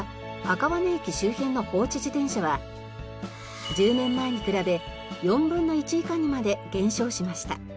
赤羽駅周辺の放置自転車は１０年前に比べ４分の１以下にまで減少しました。